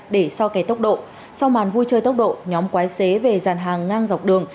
để so kẻ tốc độ sau màn vui chơi tốc độ nhóm quái xế về giàn hàng ngang dọc đường